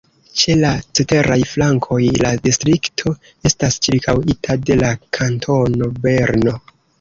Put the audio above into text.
Ĉe la ceteraj flankoj la distrikto estas ĉirkaŭita de la Kantono Berno.